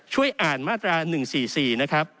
ช่วยอ่านมาตรา๑๔๔นะครับ